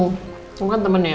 kamu kan temen ya